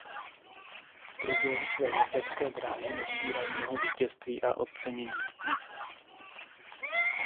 V průběhu své jezdecké dráhy nasbíral mnoho vítězství a ocenění.